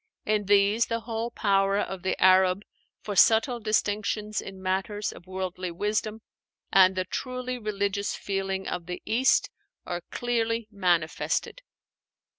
In these the whole power of the Arab for subtle distinctions in matters of wordly wisdom, and the truly religious feeling of the East, are clearly manifested.